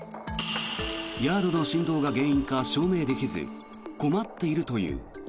ヤードの振動が原因か証明できず困っているという。